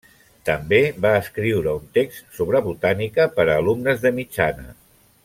També va escriure un text sobre botànica per a alumnes de mitjana.